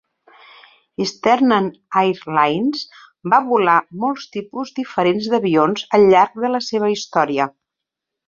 Eastern Air Lines va volar molts tipus diferents d'avions al llarg de la seva història.